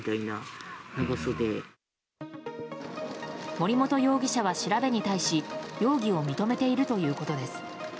森本容疑者は調べに対し容疑を認めているということです。